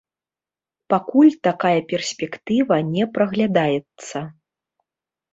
Пакуль такая перспектыва не праглядаецца.